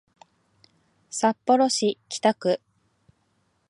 札幌市北区